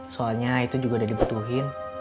soalnya itu juga udah dibutuhin